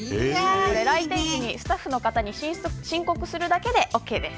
来店前にスタッフの方に申告するだけでオーケーです。